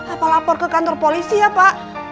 apa lapor ke kantor polisi ya pak